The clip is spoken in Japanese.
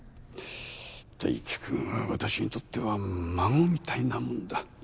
泰生君は私にとっては孫みたいなもんだ。